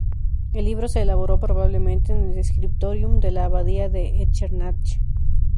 El libro se elaboró probablemente en el "scriptorium" de la abadía de Echternach.